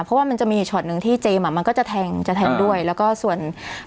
เพราะว่ามันจะมีช็อตหนึ่งที่เจมส์อ่ะมันก็จะแทงจะแทงด้วยแล้วก็ส่วน